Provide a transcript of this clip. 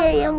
hai yang ini